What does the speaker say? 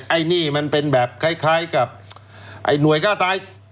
ไอ้นี่มันเป็นแบบคล้ายกับไอ้หน่วยฆ่าตาย